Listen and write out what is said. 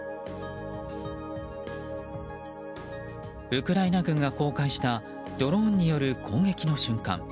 ウクライナ軍が公開したドローンによる攻撃の瞬間。